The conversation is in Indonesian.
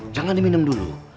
jangan diminum dulu